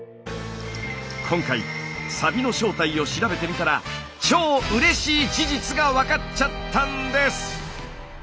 今回サビの正体を調べてみたらが分かっちゃったんです！